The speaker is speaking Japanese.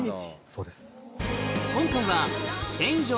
そうです。